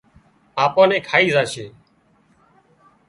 آپان نين کائي زاشي